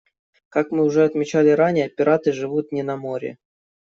Как мы уже отмечали ранее, пираты живут не на море.